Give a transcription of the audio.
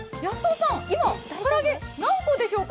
今、唐揚げ何個でしょうか？